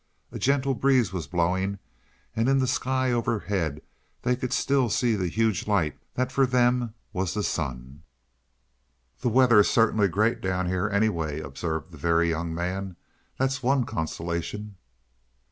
A gentle breeze was blowing, and in the sky overhead they could still see the huge light that for them was the sun. "The weather is certainly great down here anyway," observed the Very Young Man, "that's one consolation."